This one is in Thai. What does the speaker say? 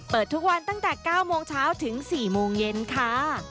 เปิดทุกวันตั้งแต่๙โมงเช้าถึง๔โมงเย็นค่ะ